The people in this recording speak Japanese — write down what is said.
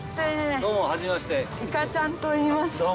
「いかちゃん」といいます。